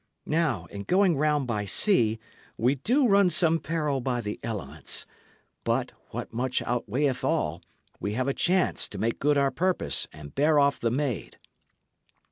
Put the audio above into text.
Now, in going round by sea, we do run some peril by the elements; but, what much outweighteth all, we have a chance to make good our purpose and bear off the maid."